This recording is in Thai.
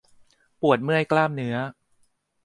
ปวดเมื่อยกล้ามเนื้อ